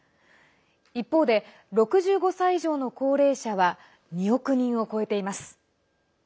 一方で、６５歳以上の高齢者は２億人を超えています。